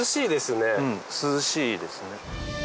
うん涼しいですね。